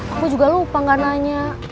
aku juga lupa gak nanya